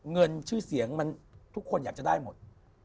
เงินชื่อเสียงมันทุกคนอยากจะได้หมด